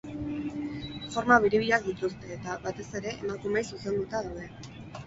Forma biribilak dituzte eta, batez ere, emakumeei zuzenduta daude.